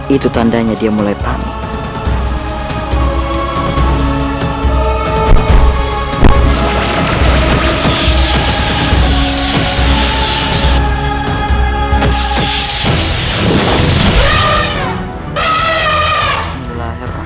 itu tandanya dia mulai panik